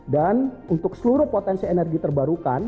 dan untuk seluruh potensi energi terbarukan